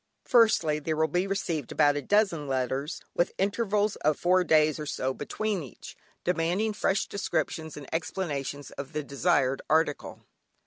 Firstly, there will be received about a dozen letters, with intervals of four days or so between each, demanding fresh descriptions and explanations of the desired article.